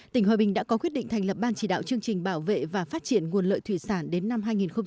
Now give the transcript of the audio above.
tỉnh hòa bình đã có quyết định thành lập ban chỉ đạo chương trình bảo vệ và phát triển nguồn lợi thủy sản đến năm hai nghìn hai mươi